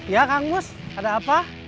iya kang mus ada apa